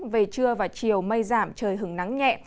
về trưa và chiều mây giảm trời hứng nắng nhẹ